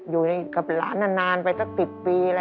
อยู่กับหลานนานไปสัก๑๐ปีแล้ว